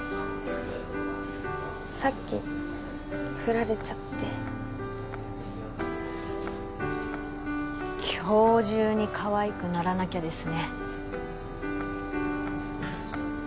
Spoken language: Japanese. さっきフラれちゃって今日中にかわいくならなきゃですね